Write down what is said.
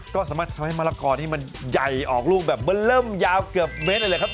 ก็สามารถทำให้มะละกอนี่มันใหญ่ออกลูกแบบเบอร์เริ่มยาวเกือบเมตรเลยแหละครับ